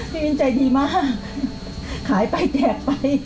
พี่มิ้นต์ใจดีมาก